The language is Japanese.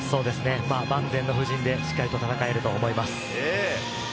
万全の布陣でしっかりと戦えると思います。